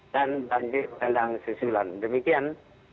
dan banjir kendang sisulan demikian